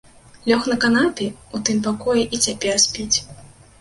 Лёг на канапе, у тым пакоі і цяпер спіць.